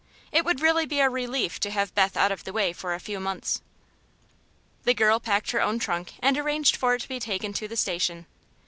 It would really be a relief to have Beth out of the way for a few months. The girl packed her own trunk and arranged for it to be taken to the station.